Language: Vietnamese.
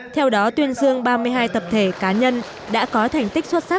theo đó tuyên dương ba mươi hai tập thể cá nhân đã có thành tích xuất sắc